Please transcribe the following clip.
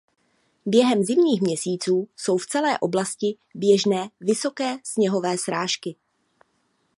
Během zimních měsíců jsou v celé oblasti běžné vysoké sněhové srážky.